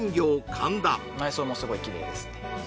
神田内装もすごいきれいですね